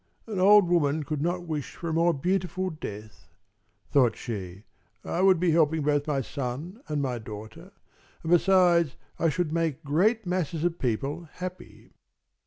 "An old woman could not wish for a more beautiful death," thought she. "I would be helping both my son and my daughter, and, besides, I should make great masses of people happy."